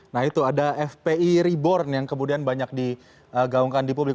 nah itu ada fpi reborn yang kemudian banyak digaungkan di publik